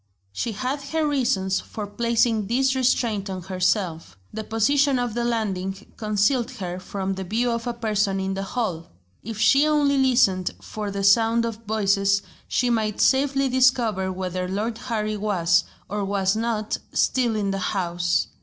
She had her reasons for placing this restraint on herself. The position of the landing concealed her from the view of a person in the hall. If she only listened for the sound of voices she might safely discover whether Lord Harry was, or was not, still in the house.